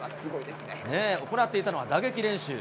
行っていたのは打撃練習。